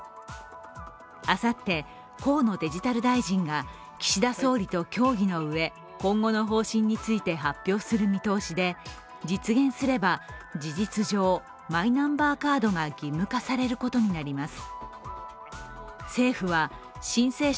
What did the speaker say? あさって河野デジタル大臣が岸田総理と協議のうえ、今後の方針について発表する見通しで実現すれば、事実上マイナンバーカードが義務化されることになります。